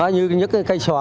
như những cây xòa